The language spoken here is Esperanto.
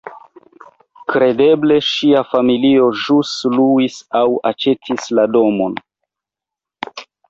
Kredeble ŝia familio ĵus luis aŭ aĉetis la domon.